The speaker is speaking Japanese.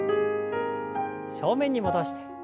正面に戻して。